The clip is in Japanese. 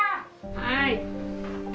はい。